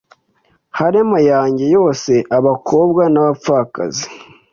Harem yanjye yose abakobwa nabapfakazi